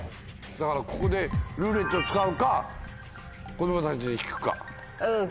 だからここで「ルーレット」使うか子供たちに聞くか。